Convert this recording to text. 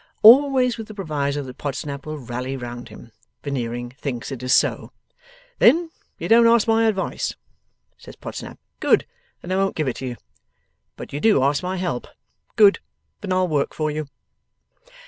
Always with the proviso that Podsnap will rally round him, Veneering thinks it is so. 'Then you don't ask my advice,' says Podsnap. 'Good. Then I won't give it you. But you do ask my help. Good. Then I'll work for you.